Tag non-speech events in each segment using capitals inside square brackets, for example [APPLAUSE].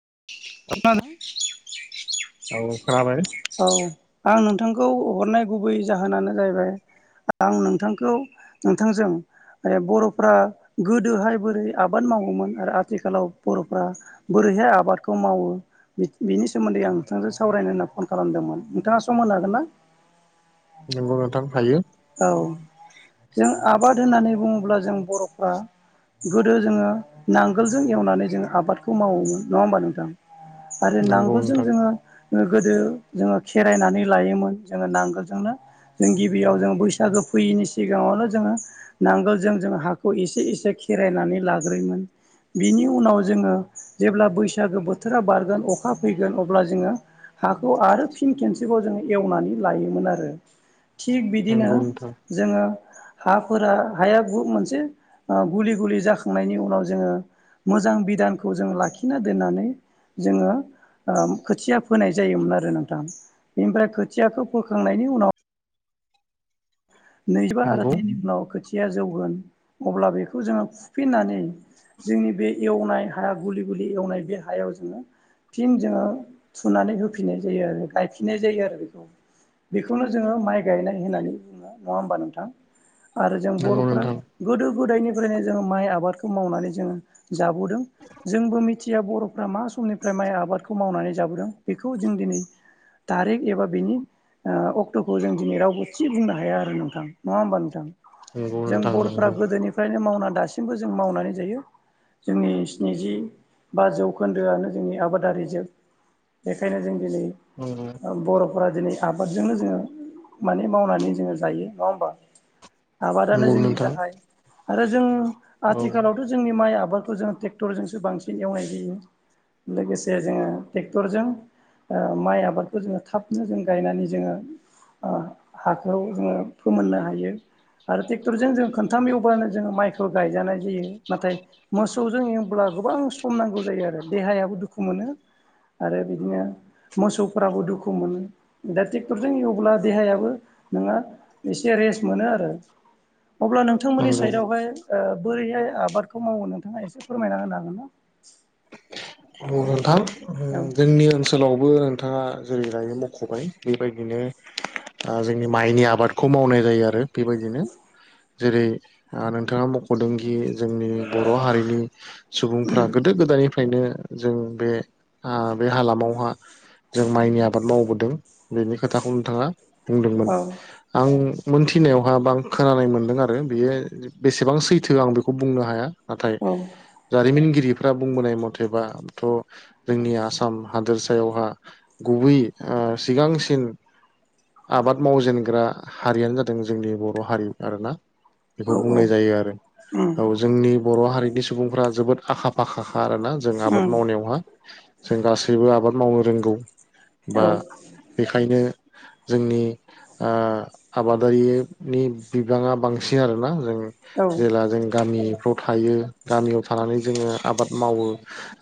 [INAUDIBLE] औ खोनाबाय। आं नोंथांखौ हरनाय गुबै जाहोनानो जाहैबाय। आं नोंथांखौ नोंथांजों बर'फ्रा गोदोहाय बोरै आबाद मावोमोन आरो आथिखालाव बर'फ्रा बोरै बेैहाय आबादखौ मावो। बिनि सोमोन्दै आं नोंथांजों सावरायनो होनना फन खालामदोंमोन नोंथाङा सम होनो हागोन ना? नंगौ नोंथां हायो औ जों आबाद होननानै बुङोब्ला जों बर'फ्रा गोदो जोङो नांगोलजों एवनानै जोङो आबादखौ मावोमोन नङा होमबा नोंथां? आरो नंगौ नांगोलजों नोंथां जोङो गोदो जोङो खेरायनानै लायोमोन जोङो नांगोलजोंनो जों गिबियाव जों बैसागो फैयैनि सिगाङावल' जोङो नांगोल जो जोङो हाखौ एसे एसे खेरायनानै लाग्रोयोमोन बिनि उनाव जोङो जेब्ला बैसाग बैसागो बोथोरा बारगोन अखा फैगोन। अब्ला जोङो हाखौ आरो फिन खनसेबाव जोङो एवनानै लायोमोन आरो। थिग बिदिनो नंगौ नोंथां जोङो हाफोरा हाया ग मोनसे गुलि गुलि जाखांनायनि उनाव जोङो मोजां बिधानखौ जों लाखिना दोननानै जोङो खोथिया फोनाय जायोमोन आरो नोंथां बेनिफ्राय खोथियाखौ फोखांनायनि उनाव नैजिबा आरो नंगौ थिननि उनाव खोथिया जौगोन अब्ला बेखौ जोङो फुफिन्नानै जोंनि बे एवनाय हाया गुलि गुलि एवनाय बे हायाव जोङो फिन जोङो थुनानै होफिननाय जायो आरो गायफिननाय जायो आरो। बेखौ बेखौनो जोङो माइ गायनाय होननानै बुङो। नङा होमबा नोंथां आरो जों नंगौ बर'फ्रा नोंथां गोदो गोदायनिफ्रायनो जोंङो माइ आबादखौ मावनानै जोङो जाबोदों जोंबो मिथिया बर'फ्रा मा समनिफ्राय माइ आबादखौ मावनानै लाबदों। बेखौ जों दिनै थारिख एबा बेनि अक्ट'खौ जों दिनै रावबो थि बुंनो हाया आरो। नोंथां नङा होनबा नोंथां नंगौ जों नोंथां बर' नंगौ गोदोनिफ्रायनो मावनानै दासिमबो जों मावनानै जायो। जोंनि स्निजि बा जौखोन्दोआनो जोंनि आबादारिजों बेखायनो जों दिनै नंगौ बर'फोरा दिनै आबादजोंनो जोङो माने मावनानै जोङो जायो नङा होमबा? आबादानो नंगौ जोंनि नोंथां गाहाय आरो जों औ आथिखालावथ' जोंनि माइ आबाद आबादखौ जों ट्रेक्टरजोंसो बांसिन एवनाय जायो लोगोसे जोङो ट्रेक्टरजों माइ आबादखौ जोङो थाबनो जों गायनानै जोङो हा जोङो फोमोननो हायो। आरो ट्रेक्टरजों जों खोनथाम एवब्लानो जोङो माइखौ गायजानाय जायो। नाथाय मोसौजों एवब्ला गोबां सम नांगौ जायो आरो देहायाबो दुखु मोनो आरो बिदिनो मोसौफोराबो दुखु मोनो दा ट्रेक्टरजों एवब्ला देहायाबो नोङो एसे रेस्ट मोनो आरो। अब्ला नोंथांमोननि नंगौ साइडआवहाय बोरैहाय आबादखौ मावो। नोंथाङा एसे फोरमायना होननो हागोन ना। नोंथां हागोन ना? जोंनि ओनसोलाव बो नोंथाङा जेरै लायनो मख'बाय बेबायदिनो जोंनि माइनि आबादखौ मावनाय ज आरो बेबायदिनो जेरै नोंथाङा मख'दों जोंनि बर' हारिनि सुबुंफोरा गो फ्रायनो जों बे बे हालामावहा जों माइनि आबाद मावबोदों बेनि खोथाखौ नोंथाङा बुंदोंमोन औ आं मोनथिनायावहा बा आं खोनानाय मोनदों आरो बेयो बेसेबां सैथो आं बेखौ बुंनो हाया नाथाय औ जारिमिनगिरि फोर बुंबोनाय मथेबाथ' जोंनि आसाम हादोरसायावहा गुबै सिगांसिन आबाद मावजेनग्रा हारियानो जादों जोंनि बर' हारि आरोना बेखौ औ औ बुंनाय जायो आरो उम औ जोंनि बर' हारिनि सुबुंफोरा जोबोद आखा फाखा आरोना जों आबाद उम मावनायावहा जों गासैबो आबाद मावनो रोंगौ औ बा बेखायनो जोंनि आबादारिनि बिबाङा बांसिन आरोना जों औ जेब्ला जों गामिफ्राव थायो गामियाव थानानै जोङो आबाद मावो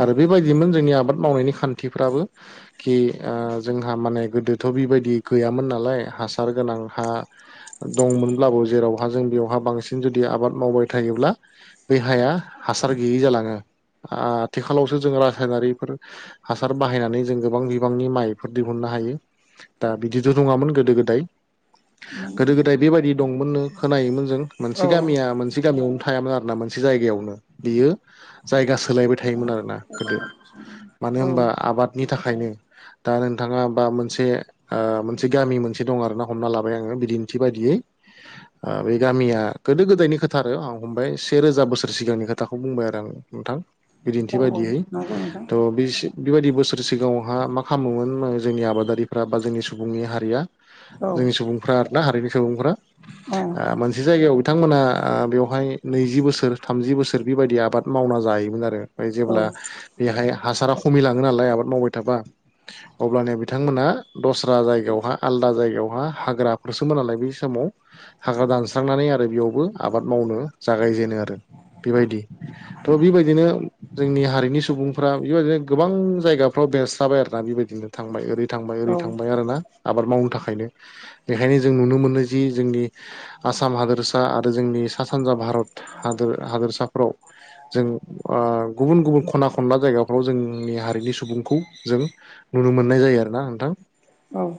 आरो बेबायदिमोन जोंनि आबाद मावनायनि खान्थिफ्राबो कि जोङो जोंहा माने गोदोथ' बिबायदि गैयामोन नालाय हासार गोनां हा दंमोनब्लाबो जेरावहा जों बेयावहा बांसिन जुदि आबाद मावबाय थायोब्ला बे हाया हासार गैयै जालाङो आथिखालावसो जों रासायनारिफोर हासार बाहायनानै जों गोबां बिबांनि माइफोर दिहुन नो हायो दा बिदिथ' रोङामोन गोदो गोदाय गोदो गोदाय बेबायदि दंमोननो खोनायोमोन जों मोनसे औ गामिया मोनसे गामियावनो थायामोन आरो ना मोनसे जायगायावनो बियो जायगा सोलायबाय थायोमोन आरोना गोदो मानो औ होनबा आबादनि थाखायनो दा नोंथाङा बा मोनसे मोनसे गामि मोनसे दं आर ना हमना लाबाय आङो बिदिन्थि बायदि बि बे गामिया गोदो गोदायनि खोथा आरो आं हमबाय से रोजा बोसोर सिगांनि खोथाखौ बुंबाय आरो आं नोंथां बिदिन्थि औ बायदियै नंगौ नोंथां थ' बि बेबायदि बोसोर सिगाङावहा मा खालामोमोन जोंनि आबादारिफ्रा बा जोंनि सुबुंनि हारिया औ जोंनि सुबुंफ्रा आरोना हारिनि सुबुंफ्रा उम मोनसे जायगायाव बिथांमोना बेवहाय नैजि बोसोर थामजि बोसोर बेबायदि आबाद मावना जायोमोन आरो ओमफ्राय औ जेब्ला बेहाय हासारा खमि लाङो नालाय आबाद मावबाय थाबा अब्लानोया बिथांमोना दस्रा जायगायावहा आलदा जायगायावहा हाग्राफोरसोमोन नालाय बे हिसाबै सम हाग्रा दानस्रांनानै आरो बेयावबो आबाद मावनो जागायजेनो आरो बेबायदि थ' बेबायदिनो जोंनि हारिनि सुबुंफ्रा बेबायदिनो गोबां जायगाफ्राव बेरस्राबाय आरोना बेबायदिनो थांबाय ओरै थांबाय ओरै औ थांबाय औ आरो ना आबाद मावनो थाखायनो बेखायनो जों नुनो मोनो जि जोंनि आसाम हादोरसा आरो जोंनि सा सानजा भारत हाद हादोरसाफ्राव जों गुबुन गुबुन खना खनला जायगाफ्राव जोंनि हारिनि सुबुंखौ जों नुनो मोन नुनो मोननाय जायो आरो ना नोंथां औ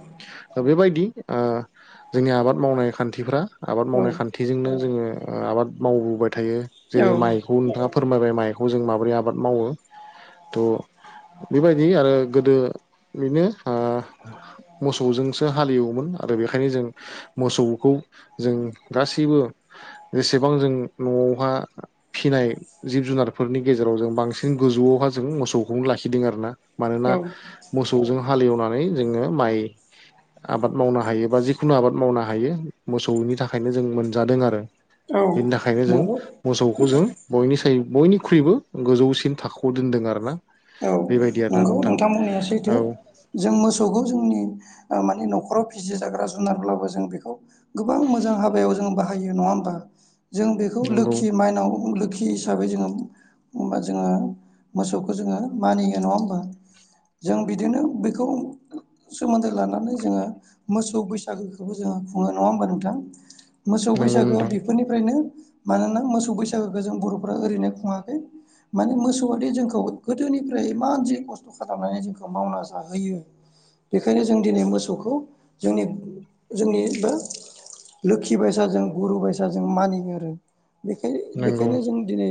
दा बेबायदि जोंनि आबाद मावनाय खान्थिफ्रा आबाद मावनाय खान्थिजोंनो जोङो आबाद मावबोबाय थायो जेरै माइखौ नोंथाङ फोरमायबाय माइखौ जों माबोरै आबाद मावो थह बेबायदि आरो गोदो बेनो मोसौजोंसो हालेवोमोन आरो बेखायनो जों मोसौखौ जों गासैबो जेसेबां जों न' न'आवहा फिनाय जिब जुनारफोरनि गेजेराव जों बांसिन गोजौआवहा जों मोसौखौनो लाखिदों आर ना मानोना मोसौजों हालेवनानै जोङो माइ आबाद मावनो हायो बा जिखुनु आबाद मावनो हायो मोसौनि थाखायनो जों मोनजादों आरो औ बेनि थाखायनो जों नंगौ मोसौ खौ जों बयनि बयनिख्रुइबो गोजौसिन थाखोआव दोनदों आरोना औ बेबायदि नंगौ नोंथां नोंथांमोननाया औ सैथो जों मोसौखौ जोंनि मानि न'खराव फिसि जाग्रा जुनारब्लाबो जों बेखौ गोबां मोजां हाबायाव जों बाहाय बाहायो नङा होमबा जों बेखौ नंगौ लोखि मायनाव फुखि हिसाबै जोङोा जोङो मोसौखौ जोङो मानियो न' जों बिदिनो बेखौ सोमोन्दो लानानै जोङो मोसौ बैसागोखौबो जोङो खुङो नङा होमबा नोंथां मोसौ नंगौ बैसागोआ नोंथां बेफोरनिफ्रायनो मानोना मोसौ बैसागोखौ जों बर'फ्रा ओरैनो खुङाखै माने मोसौआदि जोंखौ गोदोनि फ्राय इमान जि खस्थ' खालामनानै जोंखौ मावना जाहोयो बेखायनो जों दिनै मोसौखौ जोंनि जोंनिबो लोखि बायसाजों गुरु बायसाजों मानियो आरो बेखाय नंगौ बेखायनो जों दिनै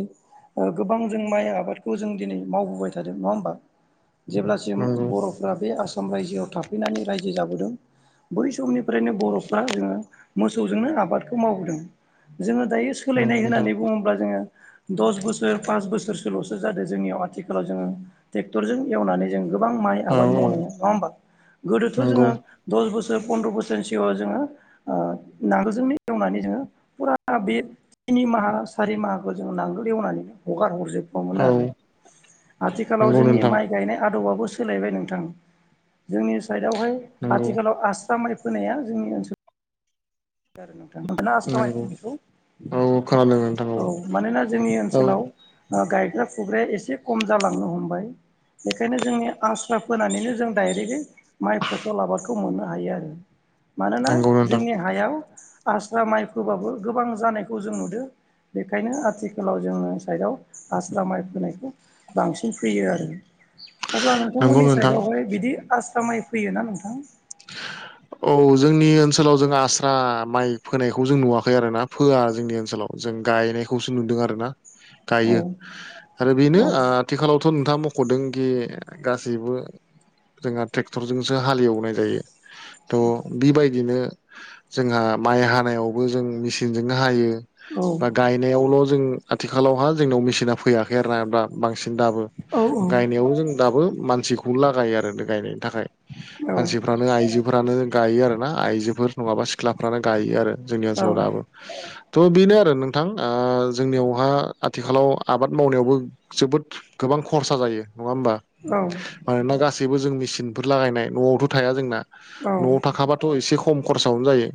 गोबां जों माइ आबादखौ जों दिनै मावबोबाय थादों नङा होमबा जेब्लासिम नंगौ बर'फोरा बे आसाम रायजोआव थाफैनानै रायजो जाबोदों बै समनिफ्रायनो बर'फ्रा जोङो मोसौजोंनो आबादखौ मावबोदों जोङो दायो सोलायनाय नंगौ नोंथां होननानै बुङोब्ला जोङो दस बोसोर पास बोसोरसोल'सो जादों जोंनियाव आथिखालाव जोङो ट्रेक्टरजों एवनानै जों गोबां माइ औ आबाद औ मावनाया नङा हबा गोदोथ' नंगौ जोङो दस बोसोर फन्द्र बोसोर सि- -गां जों नांगोलजोंनो एवनानै जोङो फुरा बेनि थिनि माह सारि माह खौ जों नांगोल एवनानै हगार हर जोबो मोन औ आरो आथिखालाव नंगौ जोंनि नोंथां माइ गायनाय आदबआबो सोलायबाय नोंथां जोंनि साइडआवहाय नंगौ आथिखालाव आसु आस्राय फोनाया जोंनि ओनसोलाव आरो नोंथां ओंखायनो आस्रा नंगौ फोनायखौ औ खोनादों नोंथां औ मानोना जोंनि औ ओनसोलाव गायग्रा फुग्राया एसे खम जालांनो हम बाय बेखायनो जोंनि आस्रा फोनानैनो जों दडाइरेक्टलि माइ फसल आबादखौ मोननो हायो आरो मानोना नंगौ नोंथां जोंनि हायाव आस्रा माइ फोबाबो गोबां जानायखौ जों नुदों बेखायनो आथिखालाव जोंनि साइडआव आस्रा माइ फोनायखौ बांसिन फैयो आरो अब्ला नंगौ नोंथांमोननि नोंथां साइदआवहाय बिदि आस्रा माइ फैयोना नोंथां? [INAUDIBLE] औ जोंनि ओनसोलाव जों आस्रा माइ फोनायखौ जों नुवाखै आरोना फोआ जोंनि ओनसोलाव जों गायनायखौसो नुदों आरो ना गायो औ आरो बेनो औ आथिखालाव' थ' नोंथाङा मख'दोंखि गासैबो जोंहा ट्रेक्टरजोंसो हालेवनाय जायो थ' बेबायदिनो जोंहा माइ हानायावबो जों मेसिनजोंनो हायो औ बा गायनायावल' जों आथिखालावहा जोंनाव मेचिना फैयाखै आरो ना दा बांसिन दाबो औ गायनायाव जों दाबो मानसिखौ लागायो आरो ना गायनाय थाखाय मानसिफ्रानो आइजोफोरानो गायो आरो ना आइजोफोर नङाबा सिख्लाफ्रानो गायो आरो जोंनि औ ओनसोलाव दाबो थ' बेनो आरो नोंथां जोंनियावहा आथिखालाव आबाद मावनायावबो जोबोद गोबां गोबां खरसा जायो नङा होमबा मानोना गासैबो जों मेसिनफोर लागायनाय न'आवथ' थाया जोंना न'आव थाखाबाथ' एसे खम खरसआवनो जायो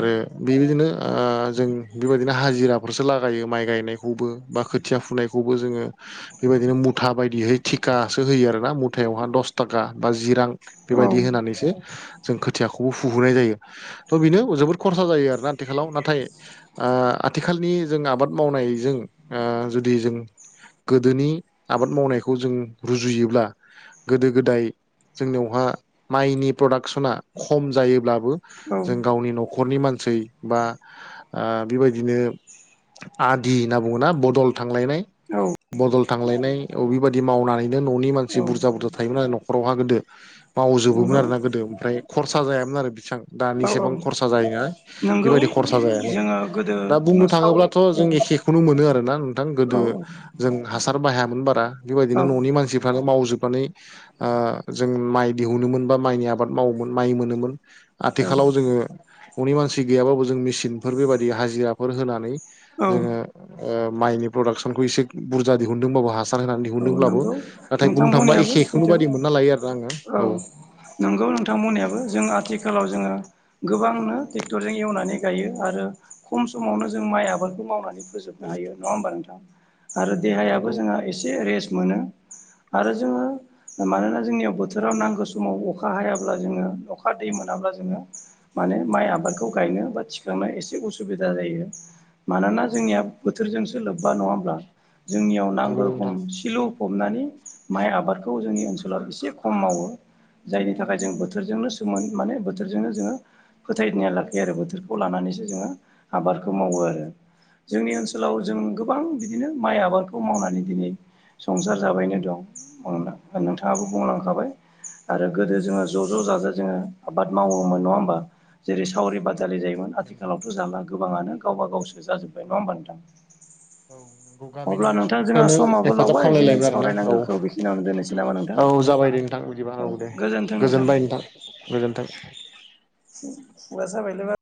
आरो बेबायदिनो ओ जों बेबायदिनो हाजि- -राफोरसो लागायो माइ गायनायखौबो बा खोथिया फुनायखौबो जोङो बेबायदिनो मुथा बायदिहै थिकासो होयो आरोना मुथायावहा दस थाखा बा जि रां बेबायदि होनानैसो जों खोथियाखौबो फु फुहुनाय जायो थह बेनो जोबोद खरसा जायो आरोना आथिखालाव नाथाय आथिखालनि जों आबाद मावनायजों ओ जुदि जों गोदोनि आबाद मावनायखौ जों रुजुयोब्ला गोदो गोदाय जोंनियावहा माइनि प्रडाक्सना खम जायोब्लाबो जों गावनि न'खरनि मानसि बा आ बेबायदि नो आदि होनना बुङो ना बदल थांलायनाय बदल थांलायनाय अ बेबायदि मावनानैनो न'नि औ मानसि बुरजा बुरजा थायोमोन ना‌आरो नखरावहा गोदो मावजोबोमोन आर औ ना गोदो ओमफ्राय खरसा जायामोन आरो बिसां औ औ दानिसेबां नंगौ औ खरसा जायो ना नंगौ बेबायदि खरसा जायामोन जोङो गोदो दा बुंनो जोङो सावरि थाङोब्लाथ' औ जों एखे औ खौनो मोनो आरोना नोंथां गोदो औ जों हासार बाहा- -मोन बारा बेबादिनो औ न'नि मानसिफोरानो मावजोबनानै ओ जों माइ दिहुनोमोन बा माइनि आबाद मावोमोन माइ मोनोमोन आथिखालाव औ जोङो न'नि मानसि गैयाबाबो जों मेसिनफोर बेबायदि हाजिराफोर होनानै औ जोङो माइनि प्रडाक्सनखौ एसे बुरजा दिहुनदोंबाबो ह होननानै औ दिहुनदोंब्लाबो नंगौ नाथाय नोंथां बुंनो थांबा बुंनायाबो एखेखौनो सैथो बायदि मोनना लायो आरो आङो औ नंगौ नोंथांमोननिबो जों आथिखालाव जोङो गोबांनो ट्रेक्टरजों एवनानै गायो आरो खम समावनो जों माइ आबादखौ मावनानै फोजोबनो हायो नङा हबा नोंथां आरो देहायाबो नंगौ जोंहा एसे रेस्ट मोनो आरो जोङो मानोना जोंनियाव बोथोराव नांगौ समाव अखा हायाब्ला जोङो अखा दै मोनाब्ला जोङो माने माइ आबादखौ गायनो बा थिखांनो एसे उसुबिदा जायो मानोना जोंनिया बोथोरजोंसो लोब्बा नङाब्ला जोंनियाव नंगौ नांगौ रोखोम नोंथां सिलु फबनानै माइ आबादखौ जोंनि ओनसोलाव एसे खम मावो जायनि थाखाय जों बोथोरजोंनो सोमोन माने बोथोरजोंनो जोङो फोथायनाया लाखियो आरो बोथोरखौ लानानै जोङो आबादखौ मावो आरो जोंनि ओनसोलाव जों गोबां बिदिनो माइ आबादखौ मावनानै दिनै संसार जाबायनो दं नोंथाङाबो बुंलांखाबाय आरो गोदो जोङो ज' ज' जोङो आबाद मावोमोन नङा होमबा जेरै सावरिबाद लि जायोमोन नंगौ आथिखालावथ' जाला गोबाङानो गावबा गावस जाजोबबाय औ नङा होनबा नोंथां औ नंगौ गामिनि अब्ला नोंथां जोंहा सुबुंफ्रानो हेफाजाब आगोलावबाय जोंनि खालामलायलायोमोन आरोना औ सावरायनांगौखौ बेखिनियावनो दोननोसै नामा नोंथां औ औ गोजोन्थों नोंथां मोनबाय नोंथां गोजोन्थों असो एभेललेबेल